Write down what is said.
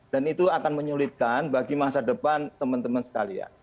dan itu akan menyulitkan bagi masa depan teman teman sekalian